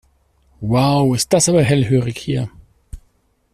Wow, ist das aber hellhörig hier.